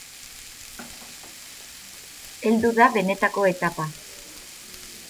Heldu da benetako etapa.